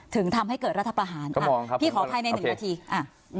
ถึงทำให้เกิดรัฐประหารพี่ขอคลายใน๑นาทีอ่ะก็มองครับ